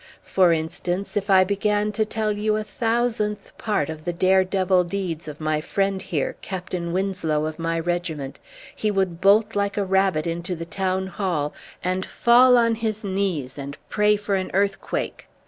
For instance, if I began to tell you a thousandth part of the dare devil deeds of my friend here, Captain Winslow of my regiment, he would bolt like a rabbit into the Town Hall and fall on his knees and pray for an earthquake.